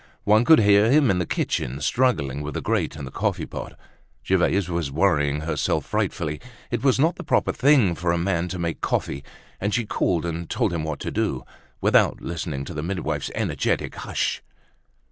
One could hear him in the kitchen struggling with the grate and the coffee pot. Gervaise was worrying herself frightfully; it was not the proper thing for a man to make coffee; and she called and told him what to do, without listening to the midwife's energetic "hush!"